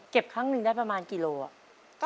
ครั้งหนึ่งได้ประมาณกี่โลอะ